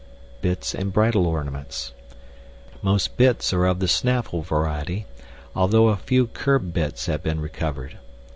Bits and Bridle Ornaments. Most bits are of the snaffle variety, although a few curb bits have been recovered.